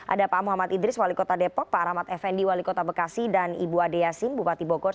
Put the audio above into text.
ada pak muhammad idris wali kota depok pak rahmat effendi wali kota bekasi dan ibu ade yasin bupati bogor